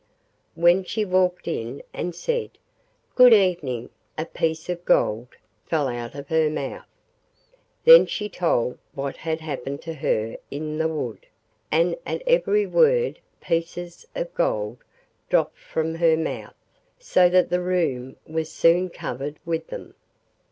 When she walked in and said; Good evening,' a piece of gold fell out of her mouth. Then she told what had happened to her in the wood, and at every word pieces of gold dropped from her mouth, so that the room was soon covered with them.